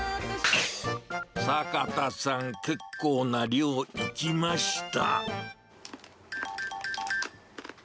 坂田さん、結構な量いきました。